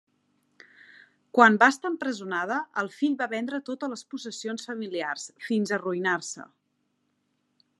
Quan va estar empresonada, el fill va vendre totes les possessions familiars, fins a arruïnar-se.